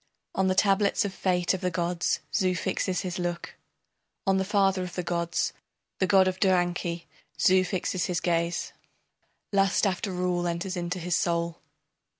On the tablets of fate of the god Zu fixes his look. On the father of the gods, the god of Duranki, Zu fixes his gaze. Lust after rule enters into his soul.